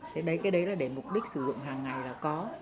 thế đấy cái đấy là để mục đích sử dụng hàng ngày là có